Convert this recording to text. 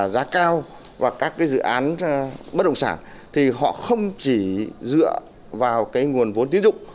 giá cao và các cái dự án bất động sản thì họ không chỉ dựa vào cái nguồn vốn tín dụng